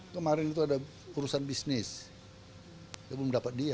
kemarin itu ada urusan bisnis dia belum dapat dia